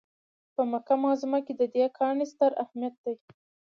په مکه معظمه کې د دې کاڼي ستر اهمیت دی.